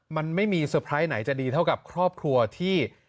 มันไม่มีเซอร์ไพรส์ไหนจะดีเท่ากับครอบครัวที่